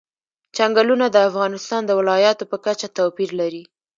چنګلونه د افغانستان د ولایاتو په کچه توپیر لري.